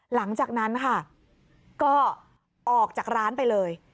หลังจากนั้นค่ะก็ออกจากร้านไปเลย